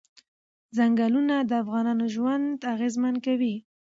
ځنګلونه د افغانانو ژوند اغېزمن کوي.